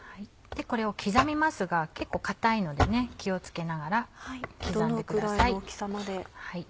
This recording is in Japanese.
これを刻みますが結構硬いのでね気を付けながら刻んでください。